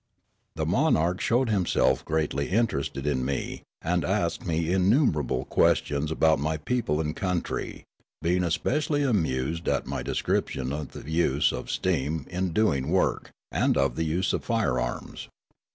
The monarch showed himself greatly interested in me and asked me innumerable questions about my people and country, being especially amused at my de scription of the use of steam in doing work, and of the use of firearms.